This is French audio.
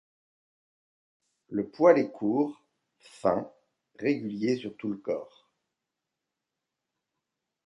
Le poil est court, fin, régulier sur tout le corps.